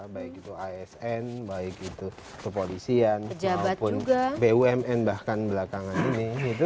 baik itu asn baik itu kepolisian maupun bumn bahkan belakangan ini